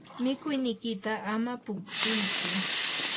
mikuynikiyta ama puksuytsu.